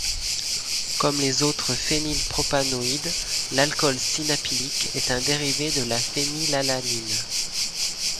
Comme les autres phénylpropanoïdes, l'alcool sinapylique est un dérivé de la phénylalanine.